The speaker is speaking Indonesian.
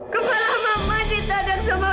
kepala mama ditadang sama